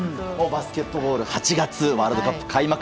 バスケットボール８月にワールドカップ開幕。